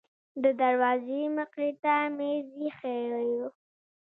د دروازې مخې ته میز ایښی و.